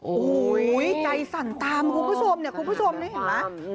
โอ้โหใจสั่นตามคุณผู้ชมเนี่ยคุณผู้ชมนี่เห็นไหม